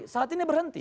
saat ini berhenti